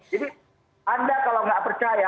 jadi anda kalau nggak percaya